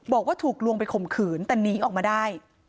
บอกว่าถูกลวงไปข่มขืนแต่หนีออกมาได้